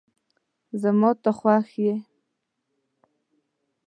زما ته خوښ یی